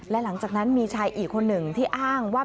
และหลังจากนั้นมีชายอีกคนหนึ่งที่อ้างว่า